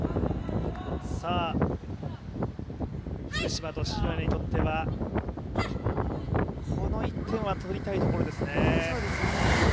福島と篠谷にとってはこの１点は取りたいところですね。